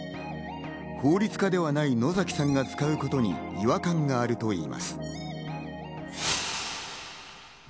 法律家ではない野崎さんが使うことに違和感があるといいます。